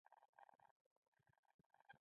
دا يې وويل او له کوټې ووت.